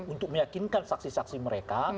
untuk meyakinkan saksi saksi mereka